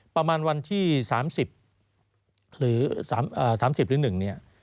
ประมาณวันที่๓๐หรือ๓๐หรือ๑เนี่ย